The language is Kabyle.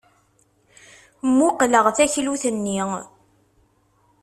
Mmuqqleɣ taklut-nni.